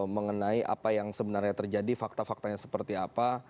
mengenai apa yang sebenarnya terjadi fakta faktanya seperti apa